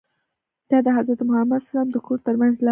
دا د حضرت محمد ص د کور ترمنځ لاره ده.